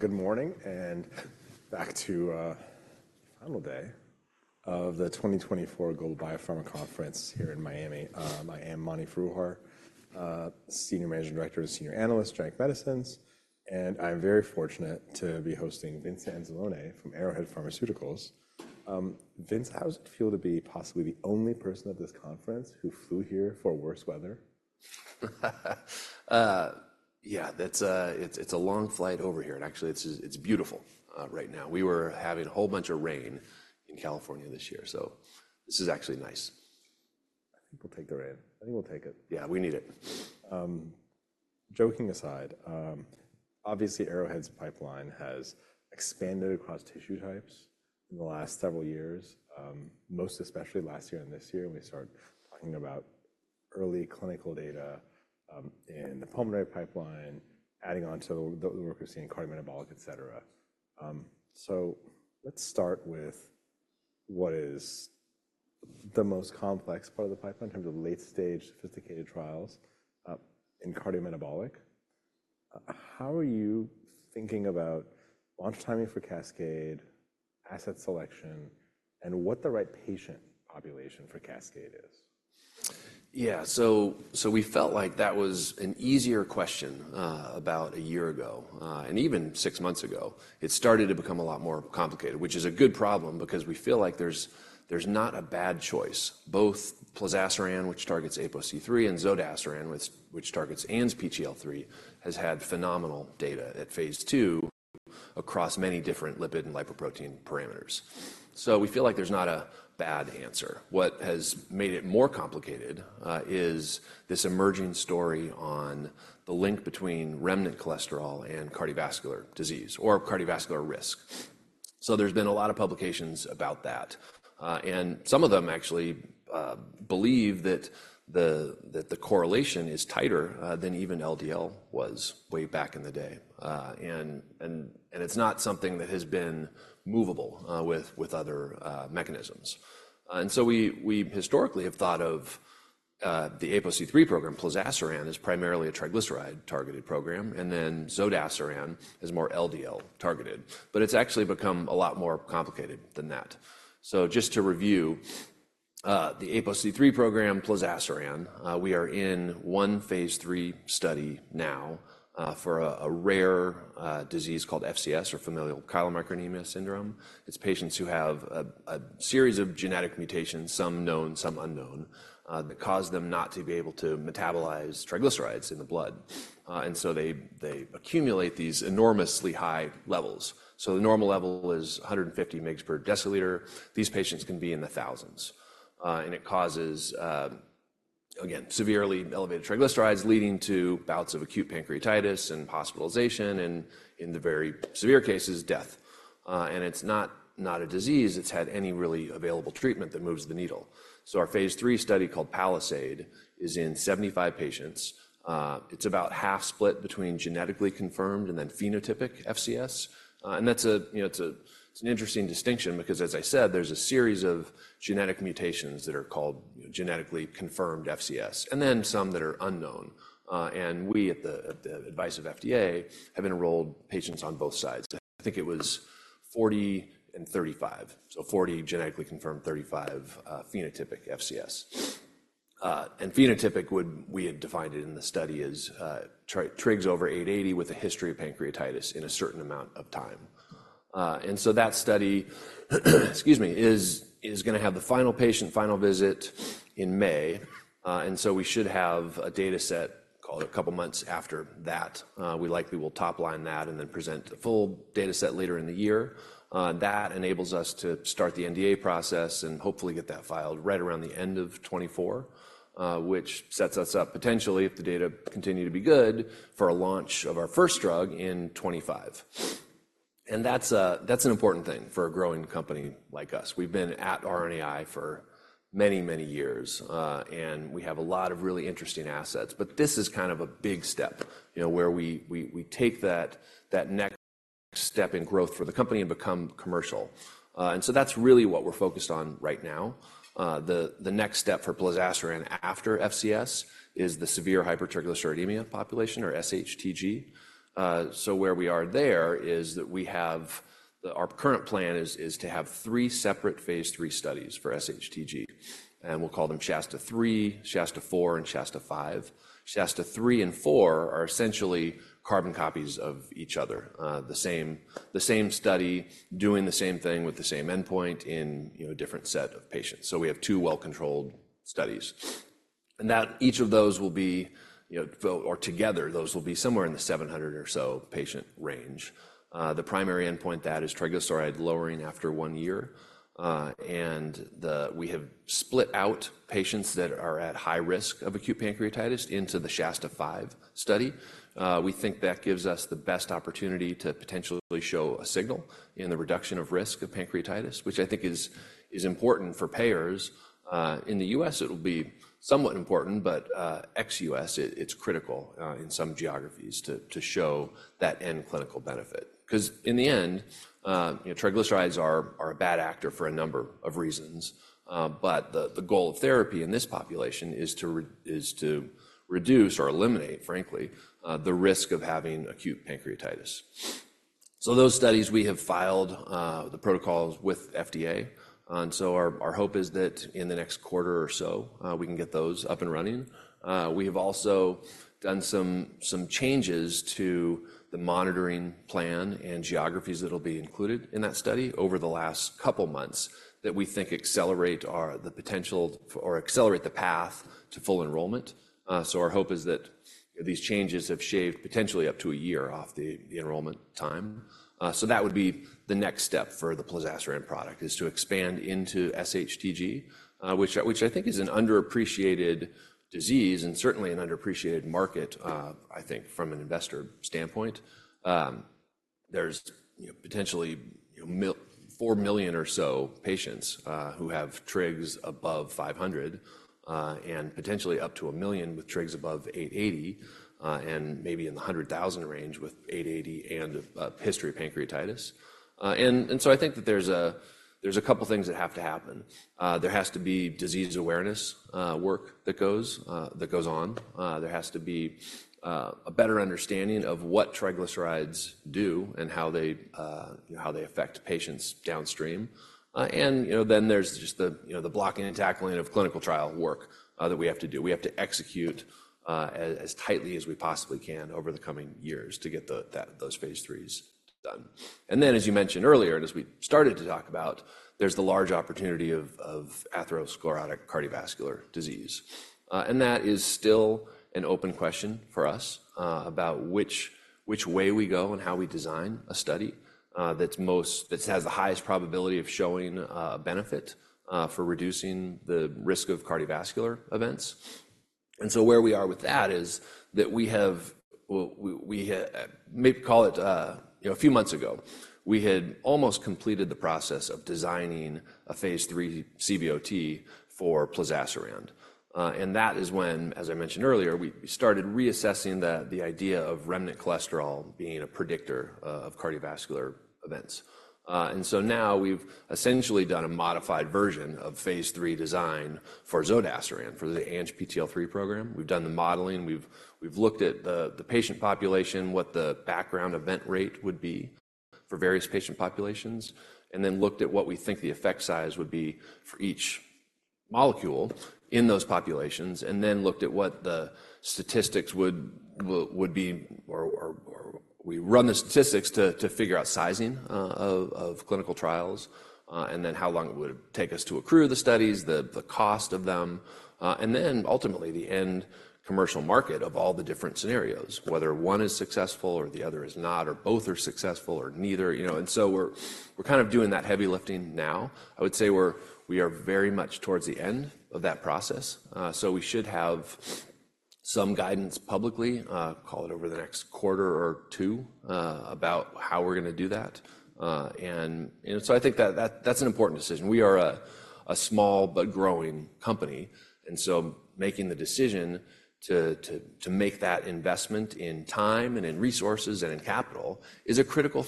Good morning and back to final day of the 2024 Global Biopharma Conference here in Miami. I am Mani Foroohar, Senior Managing Director and Senior Analyst, Genetic Medicines, and I'm very fortunate to be hosting Vince Anzalone from Arrowhead Pharmaceuticals. Vince, how does it feel to be possibly the only person at this conference who flew here for worse weather? Yeah, it's a long flight over here, and actually it's beautiful right now. We were having a whole bunch of rain in California this year, so this is actually nice. I think we'll take the rain. I think we'll take it. Yeah, we need it. Joking aside, obviously Arrowhead's pipeline has expanded across tissue types in the last several years, most especially last year and this year, and we started talking about early clinical data, in the pulmonary pipeline, adding on to the work we're seeing in cardiometabolic, etc. So let's start with what is the most complex part of the pipeline in terms of late-stage sophisticated trials, in cardiometabolic. How are you thinking about launch timing for ARO-C3, asset selection, and what the right patient population for ARO-C3 is? Yeah, so we felt like that was an easier question, about a year ago, and even six months ago. It started to become a lot more complicated, which is a good problem because we feel like there's not a bad choice. Both plozasiran, which targets APOC3, and zodasiran which targets ANGPTL3, has had phenomenal data at phase II across many different lipid and lipoprotein parameters. So we feel like there's not a bad answer. What has made it more complicated, is this emerging story on the link between remnant cholesterol and cardiovascular disease, or cardiovascular risk. So there's been a lot of publications about that, and some of them actually, believe that the correlation is tighter, than even LDL was way back in the day. and it's not something that has been movable, with other, mechanisms. And so we historically have thought of the APOC3 program. Plozasiran is primarily a triglyceride-targeted program, and then zodasiran is more LDL-targeted. But it's actually become a lot more complicated than that. So just to review, the APOC3 program, plozasiran, we are in one phase III study now for a rare disease called FCS, or Familial Chylomicronemia Syndrome. It's patients who have a series of genetic mutations, some known, some unknown, that cause them not to be able to metabolize triglycerides in the blood. And so they accumulate these enormously high levels. So the normal level is 150 mg per deciliter. These patients can be in the thousands. And it causes, again, severely elevated triglycerides, leading to bouts of acute pancreatitis and hospitalization and, in the very severe cases, death. And it's not a disease that's had any really available treatment that moves the needle. So our phase III study called PALISADE is in 75 patients. It's about half split between genetically confirmed and then phenotypic FCS. That's a, you know, it's an interesting distinction because, as I said, there's a series of genetic mutations that are called, you know, genetically confirmed FCS, and then some that are unknown. We, at the advice of FDA, have enrolled patients on both sides. I think it was 40 and 35, so 40 genetically confirmed, 35 phenotypic FCS. Phenotypic would, we had defined it in the study as, trigs over 880 with a history of pancreatitis in a certain amount of time. So that study, excuse me, is going to have the final patient final visit in May, and so we should have a dataset called a couple months after that. We likely will top-line that and then present the full dataset later in the year. That enables us to start the NDA process and hopefully get that filed right around the end of 2024, which sets us up potentially, if the data continue to be good, for a launch of our first drug in 2025. And that's an important thing for a growing company like us. We've been at RNAi for many, many years, and we have a lot of really interesting assets. But this is kind of a big step, you know, where we take that next step in growth for the company and become commercial. And so that's really what we're focused on right now. The next step for plozasiran after FCS is the severe hypertriglyceridemia population, or SHTG. So where we are there is that we have our current plan is to have three separate phase III studies for SHTG, and we'll call them SHASTA-3, SHASTA-4, and SHASTA-5. SHASTA-3 and SHASTA-4 are essentially carbon copies of each other, the same study doing the same thing with the same endpoint in a different set of patients. So we have two well-controlled studies, and each of those will be, you know, or together, those will be somewhere in the 700 or so patient range. The primary endpoint that is triglyceride lowering after one year, and we have split out patients that are at high risk of acute pancreatitis into the SHASTA-5 study. We think that gives us the best opportunity to potentially show a signal in the reduction of risk of pancreatitis, which I think is important for payers. In the U.S., it will be somewhat important, but ex-U.S., it's critical in some geographies to show that end clinical benefit. Because in the end, you know, triglycerides are a bad actor for a number of reasons, but the goal of therapy in this population is to reduce or eliminate, frankly, the risk of having acute pancreatitis. So those studies we have filed, the protocols with FDA, and so our hope is that in the next quarter or so we can get those up and running. We have also done some changes to the monitoring plan and geographies that will be included in that study over the last couple months that we think accelerate the potential or accelerate the path to full enrollment. So our hope is that these changes have shaved potentially up to a year off the enrollment time. So that would be the next step for the plozasiran product, is to expand into SHTG, which I think is an underappreciated disease and certainly an underappreciated market, I think, from an investor standpoint. There's potentially 4 million or so patients who have trigs above 500 and potentially up to 1 million with trigs above 880 and maybe in the 100,000 range with 880 and a history of pancreatitis. And so I think that there's a couple things that have to happen. There has to be disease awareness work that goes on. There has to be a better understanding of what triglycerides do and how they affect patients downstream. And then there's just the blocking and tackling of clinical trial work that we have to do. We have to execute as tightly as we possibly can over the coming years to get those phase IIIs done. And then, as you mentioned earlier, and as we started to talk about, there's the large opportunity of atherosclerotic cardiovascular disease. And that is still an open question for us about which way we go and how we design a study that has the highest probability of showing a benefit for reducing the risk of cardiovascular events. And so where we are with that is that we have, well, we maybe call it, you know, a few months ago, we had almost completed the process of designing a phase III CVOT for plozasiran. And that is when, as I mentioned earlier, we started reassessing the idea of remnant cholesterol being a predictor of cardiovascular events. And so now we've essentially done a modified version of phase III design for zodasiran for the ANGPTL3 program. We've done the modeling. We've looked at the patient population, what the background event rate would be for various patient populations, and then looked at what we think the effect size would be for each molecule in those populations, and then looked at what the statistics would be. We run the statistics to figure out sizing of clinical trials and then how long it would take us to accrue the studies, the cost of them, and then ultimately the end commercial market of all the different scenarios, whether one is successful or the other is not or both are successful or neither. So we're kind of doing that heavy lifting now. I would say we are very much towards the end of that process. We should have some guidance publicly, call it over the next quarter or two, about how we're going to do that. So I think that's an important decision. We are a small but growing company, and so making the decision to make that investment in time and in resources and in capital is a critical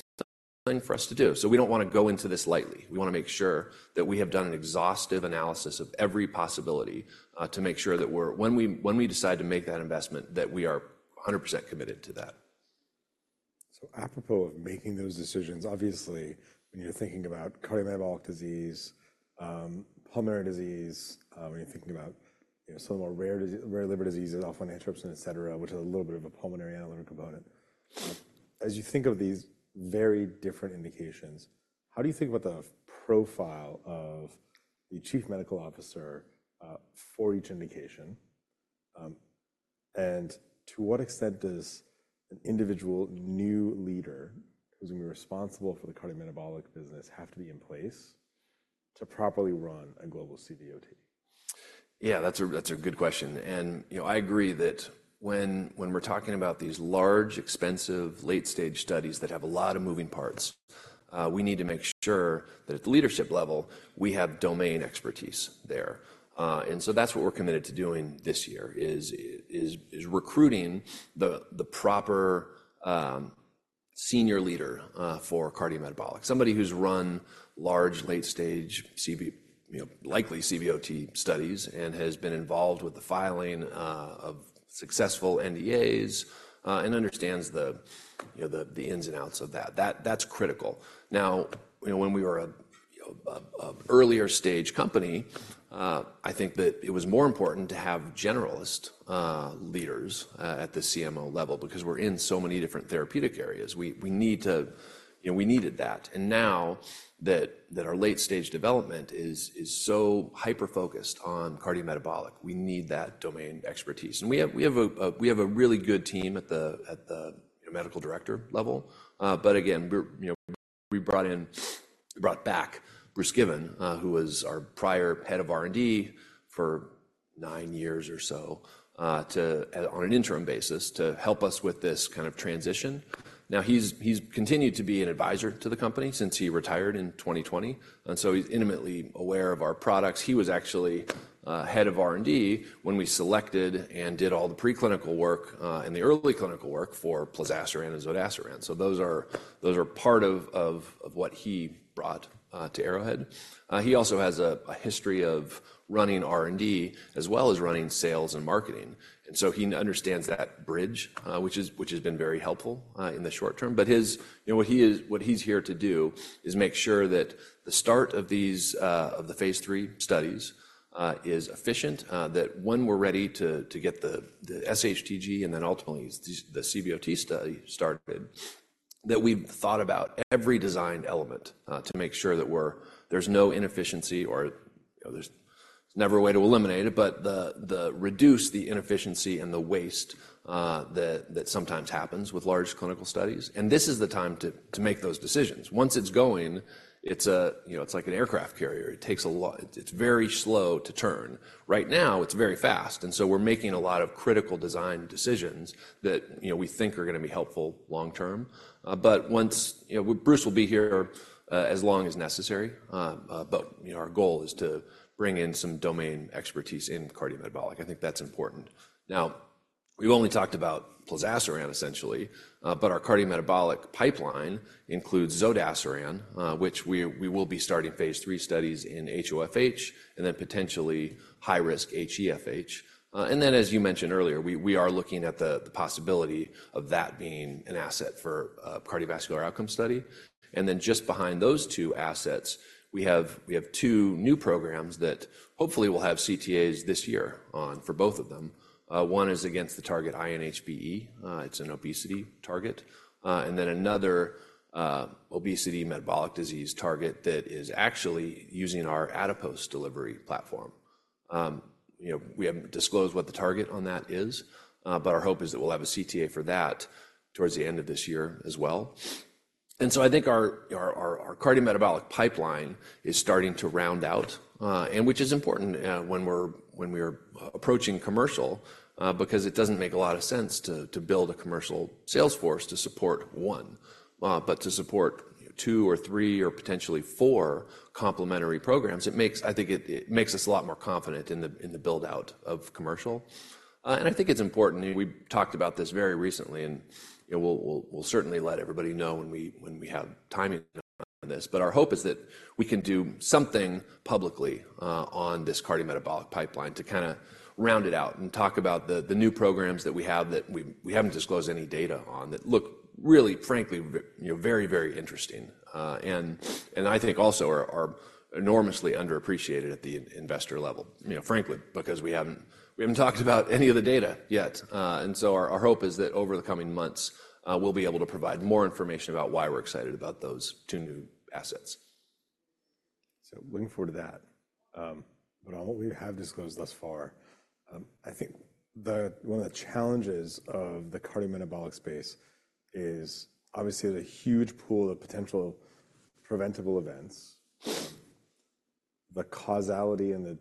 thing for us to do. We don't want to go into this lightly. We want to make sure that we have done an exhaustive analysis of every possibility to make sure that when we decide to make that investment, that we are 100% committed to that. So apropos of making those decisions, obviously when you're thinking about cardiometabolic disease, pulmonary disease, when you're thinking about some of the more rare liver diseases, Alpha-1 Antitrypsin-Associated Deficiency, etc., which is a little bit of a pulmonary and liver component, as you think of these very different indications, how do you think about the profile of the Chief Medical Officer for each indication? And to what extent does an individual new leader who's going to be responsible for the cardiometabolic business have to be in place to properly run a global CVOT? Yeah, that's a good question. I agree that when we're talking about these large, expensive, late-stage studies that have a lot of moving parts, we need to make sure that at the leadership level, we have domain expertise there. So that's what we're committed to doing this year, is recruiting the proper senior leader for cardiometabolic, somebody who's run large, late-stage, likely CVOT studies and has been involved with the filing of successful NDAs and understands the ins and outs of that. That's critical. Now, when we were an earlier stage company, I think that it was more important to have generalist leaders at the CMO level because we're in so many different therapeutic areas. We needed that. Now that our late-stage development is so hyper-focused on cardiometabolic, we need that domain expertise. We have a really good team at the medical director level. But again, we brought back Bruce Given, who was our prior head of R&D for nine years or so on an interim basis to help us with this kind of transition. Now, he's continued to be an advisor to the company since he retired in 2020. And so he's intimately aware of our products. He was actually head of R&D when we selected and did all the preclinical work and the early clinical work for plozasiran and zodasiran. So those are part of what he brought to Arrowhead. He also has a history of running R&D as well as running sales and marketing. And so he understands that bridge, which has been very helpful in the short term. But what he's here to do is make sure that the start of the phase III studies is efficient, that when we're ready to get the SHTG and then ultimately the CVOT study started, that we've thought about every design element to make sure that there's no inefficiency or there's never a way to eliminate it, but reduce the inefficiency and the waste that sometimes happens with large clinical studies. And this is the time to make those decisions. Once it's going, it's like an aircraft carrier. It takes a lot. It's very slow to turn. Right now, it's very fast. And so we're making a lot of critical design decisions that we think are going to be helpful long term. But once, Bruce will be here as long as necessary. But our goal is to bring in some domain expertise in cardiometabolic. I think that's important. Now, we've only talked about plozasiran essentially, but our cardiometabolic pipeline includes zodasiran, which we will be starting phase III studies in HoFH and then potentially high-risk HeFH. And then, as you mentioned earlier, we are looking at the possibility of that being an asset for a cardiovascular outcome study. And then just behind those two assets, we have two new programs that hopefully will have CTAs this year for both of them. One is against the target INHBE. It's an obesity target. And then another obesity metabolic disease target that is actually using our adipose delivery platform. We haven't disclosed what the target on that is, but our hope is that we'll have a CTA for that towards the end of this year as well. And so I think our cardiometabolic pipeline is starting to round out, which is important when we're approaching commercial because it doesn't make a lot of sense to build a commercial sales force to support one, but to support two or three or potentially four complementary programs. I think it makes us a lot more confident in the build-out of commercial. And I think it's important. We talked about this very recently, and we'll certainly let everybody know when we have timing on this. But our hope is that we can do something publicly on this cardiometabolic pipeline to kind of round it out and talk about the new programs that we have that we haven't disclosed any data on that look really, frankly, very, very interesting and I think also are enormously underappreciated at the investor level, frankly, because we haven't talked about any of the data yet. Our hope is that over the coming months, we'll be able to provide more information about why we're excited about those two new assets. So looking forward to that. But on what we have disclosed thus far, I think one of the challenges of the cardiometabolic space is obviously there's a huge pool of potential preventable events. The causality and the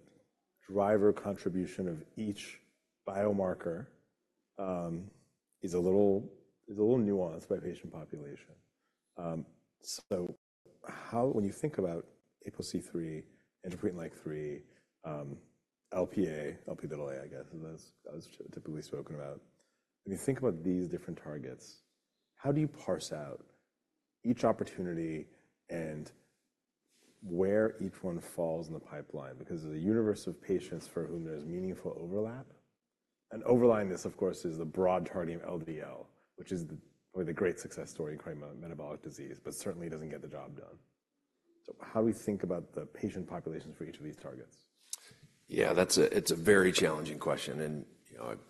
driver contribution of each biomarker is a little nuanced by patient population. So when you think about APOC3, ANGPTL3, LPA, Lp(a), I guess, that's typically spoken about, when you think about these different targets, how do you parse out each opportunity and where each one falls in the pipeline? Because there's a universe of patients for whom there's meaningful overlap. And overlying this, of course, is the broad targeting LDL, which is the great success story in cardiometabolic disease, but certainly doesn't get the job done. So how do we think about the patient populations for each of these targets? Yeah, it's a very challenging question.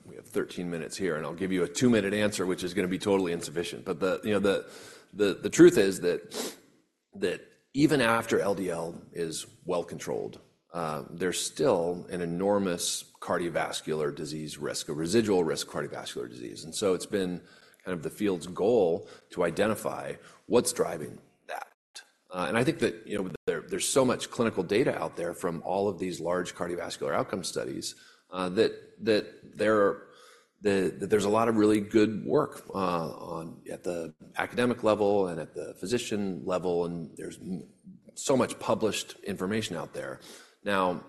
We have 13 minutes here, and I'll give you a two-minute answer, which is going to be totally insufficient. But the truth is that even after LDL is well-controlled, there's still an enormous cardiovascular disease risk, a residual risk of cardiovascular disease. So it's been kind of the field's goal to identify what's driving that. And I think that there's so much clinical data out there from all of these large cardiovascular outcome studies that there's a lot of really good work at the academic level and at the physician level, and there's so much published information out there. Now,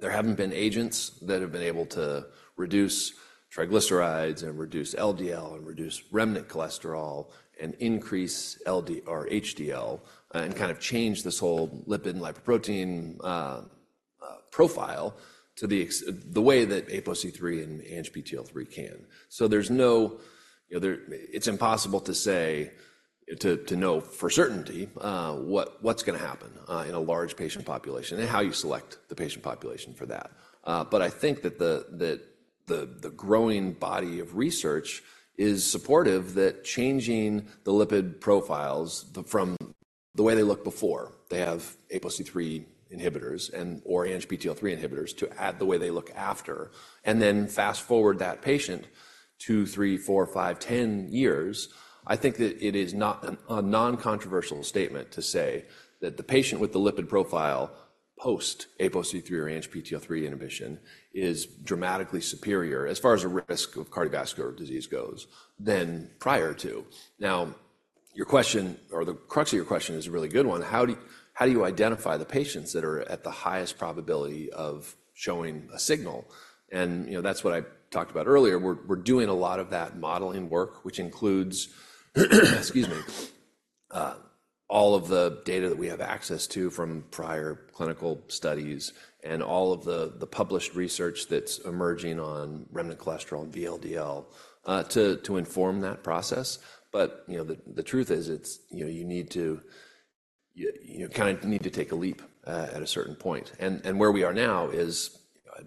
there haven't been agents that have been able to reduce triglycerides and reduce LDL and reduce remnant cholesterol and increase HDL and kind of change this whole lipid and lipoprotein profile to the way that APOC3 and ANGPTL3 can. So it's impossible to say, to know for certainty, what's going to happen in a large patient population and how you select the patient population for that. But I think that the growing body of research is supportive that changing the lipid profiles from the way they looked before, they have APOC3 inhibitors or ANGPTL3 inhibitors, to add the way they look after. And then fast forward that patient two, three, four, five, 10 years, I think that it is not a non-controversial statement to say that the patient with the lipid profile post APOC3 or ANGPTL3 inhibition is dramatically superior as far as the risk of cardiovascular disease goes than prior to. Now, your question, or the crux of your question is a really good one. How do you identify the patients that are at the highest probability of showing a signal? That's what I talked about earlier. We're doing a lot of that modeling work, which includes, excuse me, all of the data that we have access to from prior clinical studies and all of the published research that's emerging on remnant cholesterol and VLDL to inform that process. But the truth is, you kind of need to take a leap at a certain point. Where we are now is, I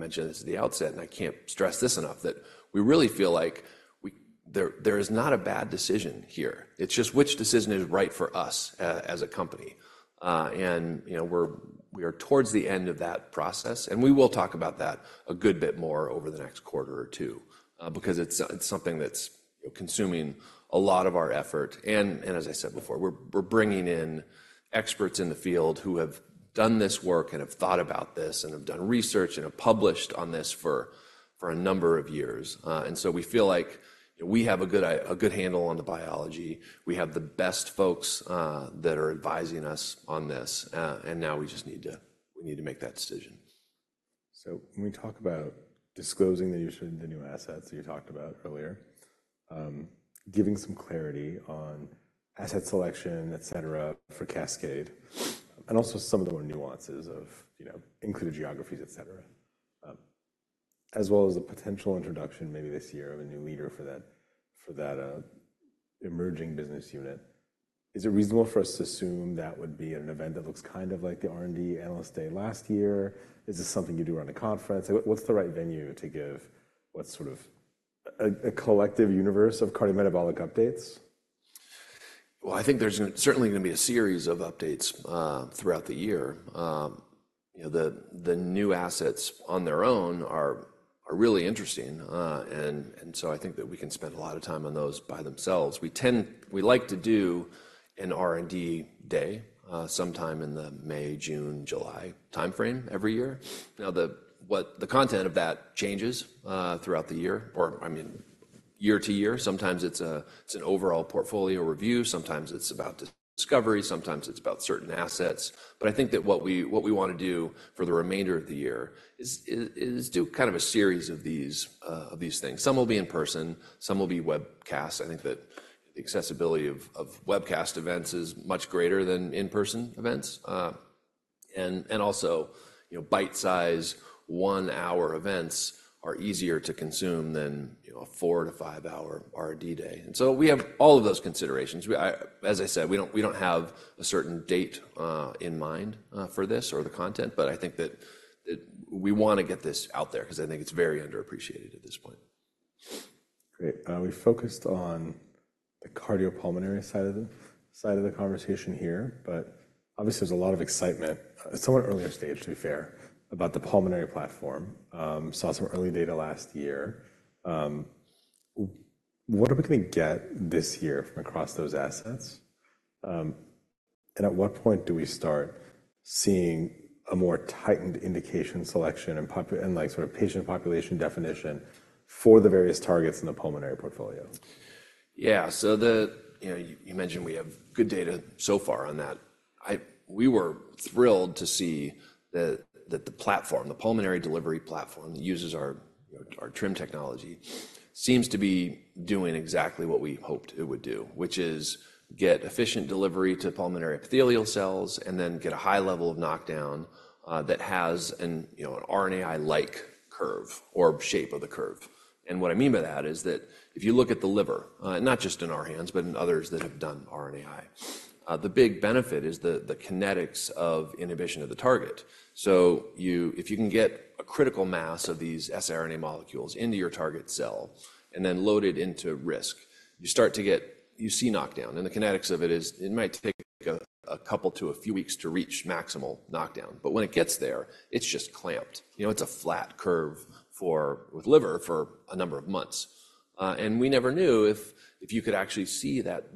mentioned this at the outset, and I can't stress this enough, that we really feel like there is not a bad decision here. It's just which decision is right for us as a company. We are towards the end of that process. We will talk about that a good bit more over the next quarter or two because it's something that's consuming a lot of our effort. As I said before, we're bringing in experts in the field who have done this work and have thought about this and have done research and have published on this for a number of years. So we feel like we have a good handle on the biology. We have the best folks that are advising us on this. Now we just need to make that decision. When we talk about disclosing the new assets that you talked about earlier, giving some clarity on asset selection, etc., for ARO-C3, and also some of the more nuances of included geographies, etc., as well as the potential introduction maybe this year of a new leader for that emerging business unit, is it reasonable for us to assume that would be an event that looks kind of like the R&D analyst day last year? Is this something you do around a conference? What's the right venue to give what's sort of a collective universe of cardiometabolic updates? Well, I think there's certainly going to be a series of updates throughout the year. The new assets on their own are really interesting. And so I think that we can spend a lot of time on those by themselves. We like to do an R&D day sometime in the May, June, July time frame every year. Now, the content of that changes throughout the year or, I mean, year to year. Sometimes it's an overall portfolio review. Sometimes it's about discovery. Sometimes it's about certain assets. But I think that what we want to do for the remainder of the year is do kind of a series of these things. Some will be in person. Some will be webcast. I think that the accessibility of webcast events is much greater than in-person events. And also, bite-size one-hour events are easier to consume than a four- to five-hour R&D day. And so we have all of those considerations. As I said, we don't have a certain date in mind for this or the content. But I think that we want to get this out there because I think it's very underappreciated at this point. Great. We focused on the cardiopulmonary side of the conversation here. But obviously, there's a lot of excitement, somewhat earlier stage, to be fair, about the pulmonary platform. Saw some early data last year. What are we going to get this year from across those assets? And at what point do we start seeing a more tightened indication selection and sort of patient population definition for the various targets in the pulmonary portfolio? Yeah. So you mentioned we have good data so far on that. We were thrilled to see that the platform, the pulmonary delivery platform that uses our TRiM technology, seems to be doing exactly what we hoped it would do, which is get efficient delivery to pulmonary epithelial cells and then get a high level of knockdown that has an RNAi-like curve or shape of the curve. And what I mean by that is that if you look at the liver, not just in our hands, but in others that have done RNAi, the big benefit is the kinetics of inhibition of the target. So if you can get a critical mass of these siRNA molecules into your target cell and then load it into RISC, you start to get you see knockdown. The kinetics of it is it might take a couple to a few weeks to reach maximal knockdown. But when it gets there, it's just clamped. It's a flat curve with liver for a number of months. And we never knew if you could actually see that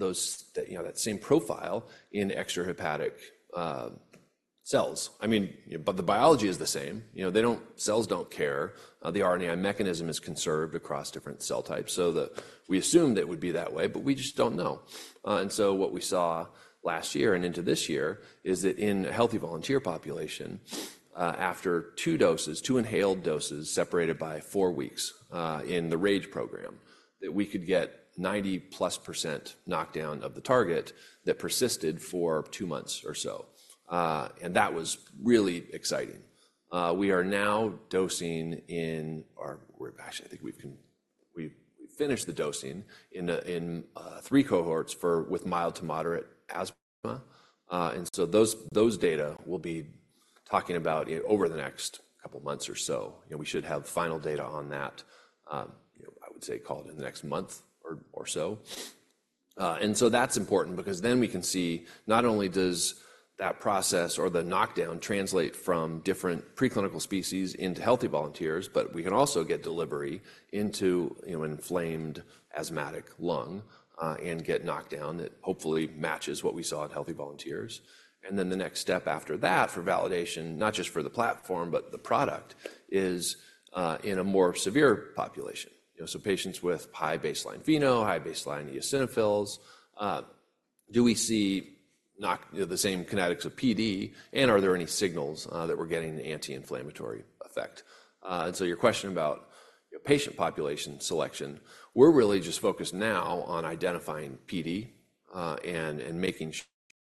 same profile in extrahepatic cells. I mean, but the biology is the same. Cells don't care. The RNAi mechanism is conserved across different cell types. So we assumed it would be that way, but we just don't know. And so what we saw last year and into this year is that in a healthy volunteer population, after two doses, two inhaled doses separated by four weeks in the ARO-RAGE program, that we could get 90%+ knockdown of the target that persisted for two months or so. And that was really exciting. We are now dosing in our actually, I think we've finished the dosing in three cohorts with mild to moderate asthma. So those data will be talking about over the next couple of months or so. We should have final data on that, I would say, coming in the next month or so. So that's important because then we can see not only does that process or the knockdown translate from different preclinical species into healthy volunteers, but we can also get delivery into an inflamed asthmatic lung and get knockdown that hopefully matches what we saw in healthy volunteers. Then the next step after that for validation, not just for the platform, but the product, is in a more severe population. So patients with high baseline FeNO, high baseline eosinophils, do we see the same kinetics of PD? And are there any signals that we're getting an anti-inflammatory effect? And so your question about patient population selection, we're really just focused now on identifying PD and making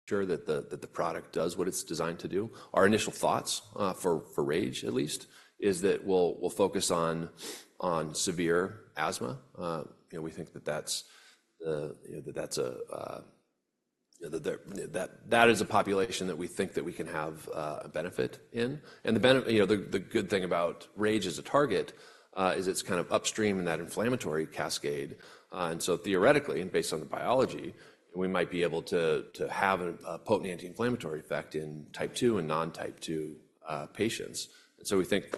sure that the product does what it's designed to do. Our initial thoughts for ARO-RAGE, at least, is that we'll focus on severe asthma. We think that that's a population that we think that we can have a benefit in. And the good thing about ARO-RAGE as a target is it's kind of upstream in that inflammatory cascade. And so theoretically, and based on the biology, we might be able to have a potent anti-inflammatory effect in Type 2 and non-Type 2 patients. And so we think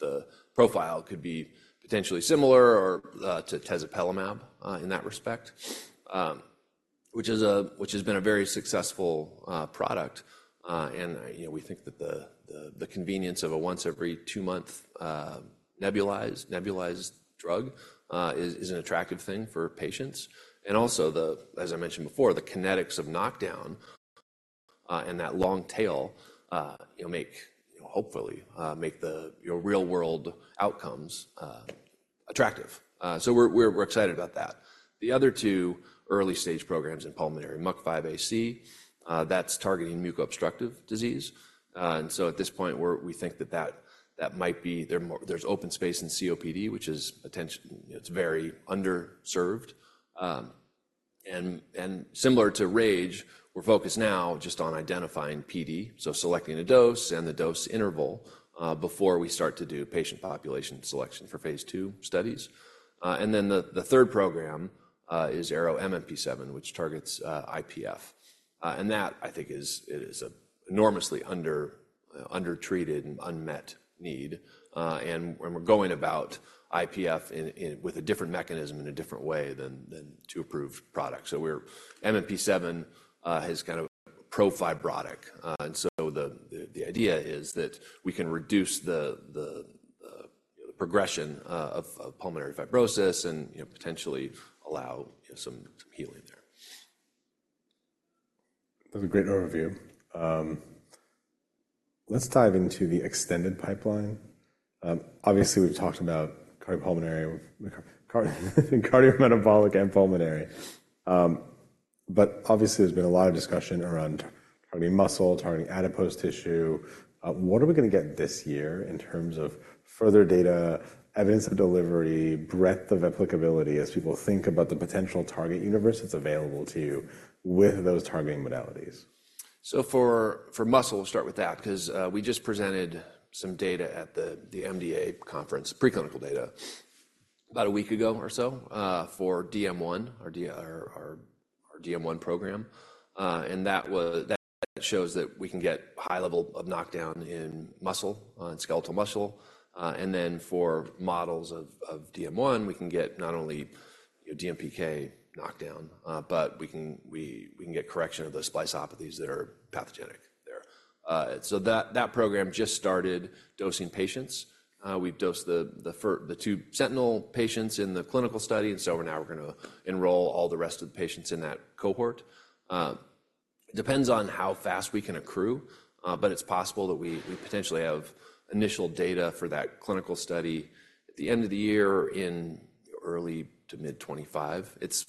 the profile could be potentially similar to tezepelumab in that respect, which has been a very successful product. We think that the convenience of a once-every-two-month nebulized drug is an attractive thing for patients. And also, as I mentioned before, the kinetics of knockdown and that long tail hopefully make the real-world outcomes attractive. So we're excited about that. The other two early-stage programs in pulmonary, ARO-MUC5AC, that's targeting mucoobstructive disease. And so at this point, we think that there's open space in COPD, which is very underserved. And similar to ARO-RAGE, we're focused now just on identifying PD, so selecting a dose and the dose interval before we start to do patient population selection for phase II studies. And then the third program is ARO-MMP7, which targets IPF. And that, I think, is an enormously undertreated and unmet need. And we're going about IPF with a different mechanism in a different way than two approved products. So MMP7 has kind of a pro-fibrotic. The idea is that we can reduce the progression of pulmonary fibrosis and potentially allow some healing there. That's a great overview. Let's dive into the extended pipeline. Obviously, we've talked about cardiometabolic and pulmonary. But obviously, there's been a lot of discussion around targeting muscle, targeting adipose tissue. What are we going to get this year in terms of further data, evidence of delivery, breadth of applicability as people think about the potential target universe that's available to you with those targeting modalities? So for muscle, we'll start with that because we just presented some data at the MDA conference, preclinical data, about a week ago or so for ARO-DM1, our ARO-DM1 program. That shows that we can get high level of knockdown in muscle and skeletal muscle. Then for models of ARO-DM1, we can get not only DMPK knockdown, but we can get correction of the splicopathies that are pathogenic there. That program just started dosing patients. We've dosed the two sentinel patients in the clinical study. Now we're going to enroll all the rest of the patients in that cohort. It depends on how fast we can accrue. It's possible that we potentially have initial data for that clinical study at the end of the year in early to mid-2025. It's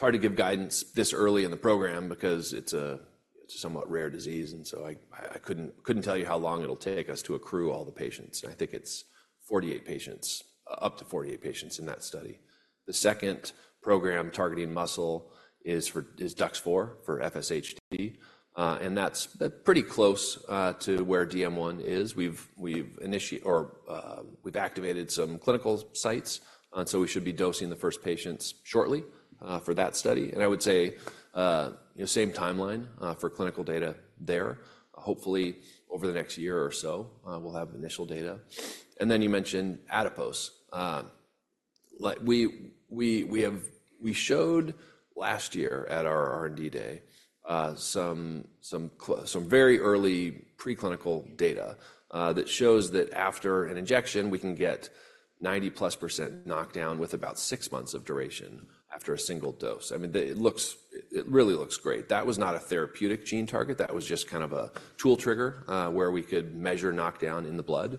hard to give guidance this early in the program because it's a somewhat rare disease. So I couldn't tell you how long it'll take us to accrue all the patients. I think it's 48 patients, up to 48 patients in that study. The second program targeting muscle is ARO-DUX4 for FSHD. That's pretty close to where ARO-DM1 is. We've activated some clinical sites. So we should be dosing the first patients shortly for that study. I would say same timeline for clinical data there. Hopefully, over the next year or so, we'll have initial data. Then you mentioned adipose. We showed last year at our R&D day some very early preclinical data that shows that after an injection, we can get 90%+ knockdown with about six months of duration after a single dose. I mean, it really looks great. That was not a therapeutic gene target. That was just kind of a tool trigger where we could measure knockdown in the blood.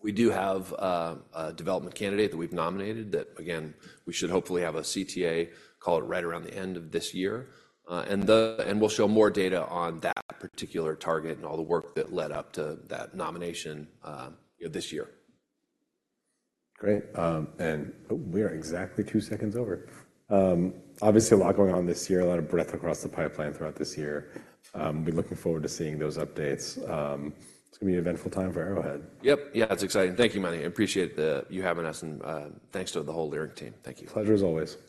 We do have a development candidate that we've nominated that, again, we should hopefully have a CTA call it right around the end of this year. We'll show more data on that particular target and all the work that led up to that nomination this year. Great. And we are exactly two seconds over. Obviously, a lot going on this year, a lot of breadth across the pipeline throughout this year. We're looking forward to seeing those updates. It's going to be an eventful time for Arrowhead. Yep. Yeah, it's exciting. Thank you, Mani. I appreciate you having us. Thanks to the whole Leerink team. Thank you. Pleasure as always.